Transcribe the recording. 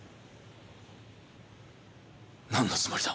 なんのつもりだ？